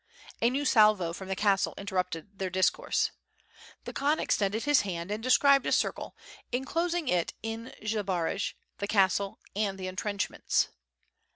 A new salvo from the castle interrupted their discourse. The Khan extended his hand and described a circle, en closing in it Zbaraj, the castle, and the entrenchments.